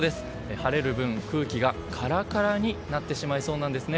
晴れる分、空気がカラカラになってしまいそうなんですね。